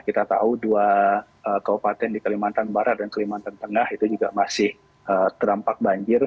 kita tahu dua kabupaten di kalimantan barat dan kalimantan tengah itu juga masih terdampak banjir